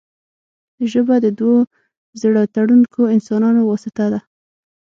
ژبه د دوو زړه تړونکو انسانانو واسطه ده